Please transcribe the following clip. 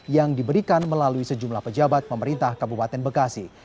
yang diberikan melalui sejumlah pejabat pemerintah kabupaten bekasi